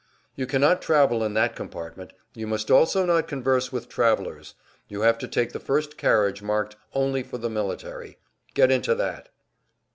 "You can not travel in that compartment; you must also not converse with travelers. You have to take the first carriage marked 'Only for the military.' Get into that."